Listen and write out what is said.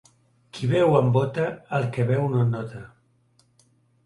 Qui beu amb bota, el que beu no nota.